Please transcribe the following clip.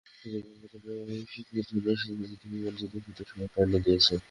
শত্রুপক্ষের আধুনিক ফিফথ জেনারেশনের যুদ্ধ বিমান যুদ্ধক্ষেত্রে সমতা এনে দিয়েছে।